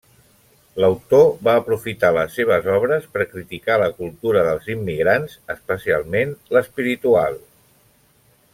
L'autor va aprofitar les seves obres per criticar la cultura dels immigrants, especialment l'espiritual.